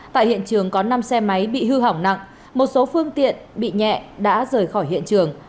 tại hiện trường có năm xe máy bị hư hỏng nặng một số phương tiện bị nhẹ đã rời khỏi hiện trường